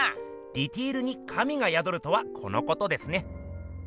ディテールに神がやどるとはこのことですね。